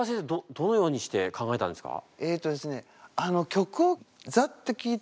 どのようにして考えたんですか？